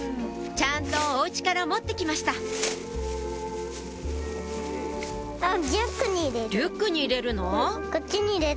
ちゃんとお家から持って来ましたリュックに入れるの？